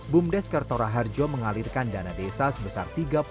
bumdes kertora harjo mengalirkan dana desa sebesar tiga puluh